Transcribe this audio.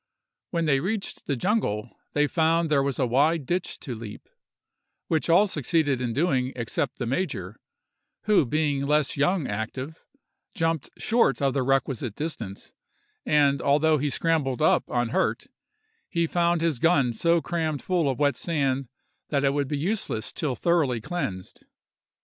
When they reached the jungle, they found there was a wide ditch to leap, which all succeeded in doing except the major, who being less young active, jumped short of the requisite distance; and although he scrambled up unhurt, he found his gun so crammed full of wet sand that it would be useless till thoroughly cleansed.